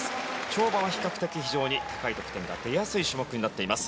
跳馬は比較的非常に高い得点が出やすい種目になっています。